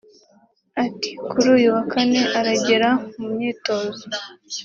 ati” kuri uyu wa Kane aragera mu myitozo